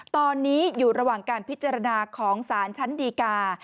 ตอนนี้อยู่ระหว่างการพิจารณาของสารชั้นดีกา